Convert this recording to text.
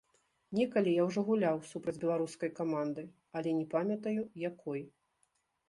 Некалі я ўжо гуляў супраць беларускай каманды, але не памятаю, якой.